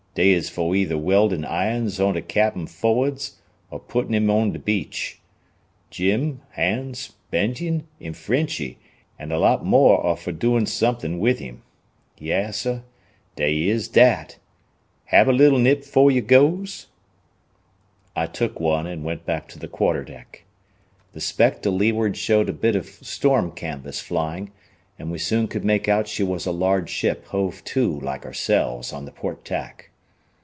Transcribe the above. Dey is fo' either weldin' irons on de cap'n forrads or puttin' him on de beach. Jim, Hans, Bendin, an' Frenchy an' a lot more are fo' doing' somethin' with him. Yessah, dey is dat. Hab a leetle nip 'fore yo' goes?" I took one and went back to the quarter deck. The speck to leeward showed a bit of storm canvas flying, and we soon could make out she was a large ship hove to like ourselves on the port tack.